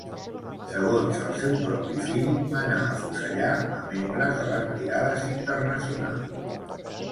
Segons el seu propi fill, manar afusellar a membres de les Brigades Internacionals.